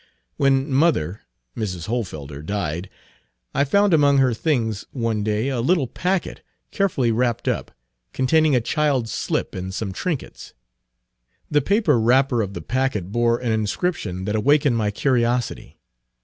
When mother Mrs. Hohlfelder died, I found among her things one day a little packet, carefully wrapped up, containing a child's slip and some trinkets. The paper wrapper of the packet bore an inscription that awakened my curiosity.